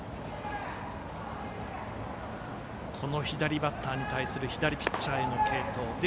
左バッターに対する左ピッチャーへの継投。